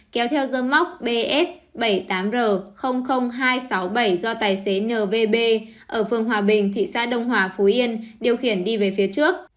kéo theo dơm móc bs bảy mươi tám r hai trăm sáu mươi bảy do tài xế nbb ở phương hòa bình thị xã đông hòa phú yên điều khiển đi về phía trước